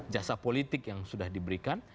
jasa politik yang sudah diberikan